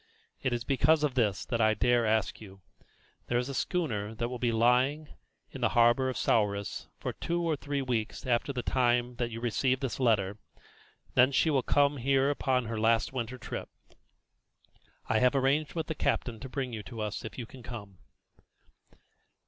It is because of this that I dare to ask you. There is a schooner that will be lying in the harbour of Souris for two or three weeks after the time that you receive this letter. Then she will come here upon her last winter trip. I have arranged with the captain to bring you to us if you can come."